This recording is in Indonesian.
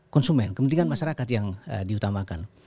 konsumen kepentingan masyarakat yang diutamakan